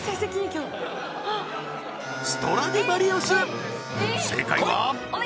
今日ストラディヴァリウス正解は？